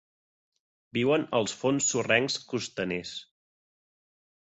Viuen als fons sorrencs costaners.